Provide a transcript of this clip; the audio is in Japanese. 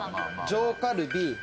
上カルビ。